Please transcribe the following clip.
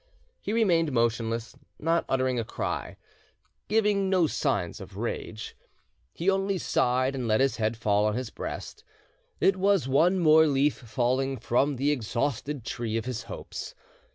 He remained motionless, not uttering a cry, giving no signs of rage; he only sighed and let his head fall on his breast: it was one more leaf falling from the exhausted tree of his hopes.